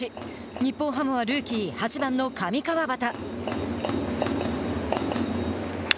日本ハムはルーキー８番の上川畑。